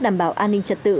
đảm bảo an ninh trật tự